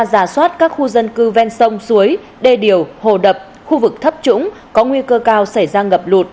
giả soát các khu dân cư ven sông suối đê điều hồ đập khu vực thấp trũng có nguy cơ cao xảy ra ngập lụt